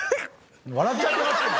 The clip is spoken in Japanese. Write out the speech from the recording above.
笑っちゃってますよ。